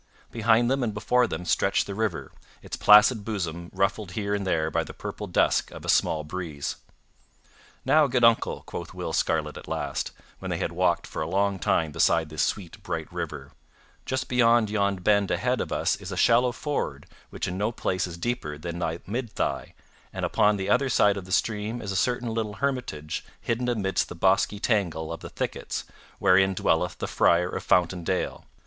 Behind them and before them stretched the river, its placid bosom ruffled here and there by the purple dusk of a small breeze. "Now, good uncle," quoth Will Scarlet at last, when they had walked for a long time beside this sweet, bright river, "just beyond yon bend ahead of us is a shallow ford which in no place is deeper than thy mid thigh, and upon the other side of the stream is a certain little hermitage hidden amidst the bosky tangle of the thickets wherein dwelleth the Friar of Fountain Dale.